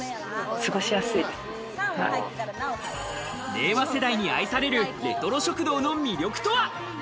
令和世代に愛されるレトロ食堂の魅力とは。